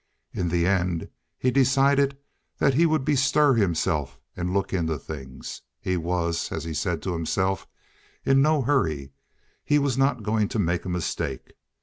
In the end he decided that he would bestir himself and look into things. He was, as he said to himself, in no hurry; he was not going to make a mistake.